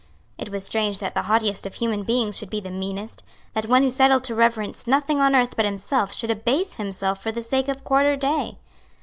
It was strange that the haughtiest of human beings should be the meanest, that one who seethed to reverence nothing on earth but himself should abase himself for the sake of quarter day.